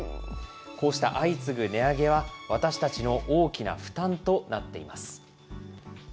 こうした相次ぐ値上げは、私たちの大きな負担となっています。